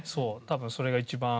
多分それが一番。